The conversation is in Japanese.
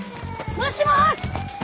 もしもし！